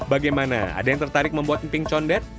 bagaimana ada yang tertarik membuat emping condet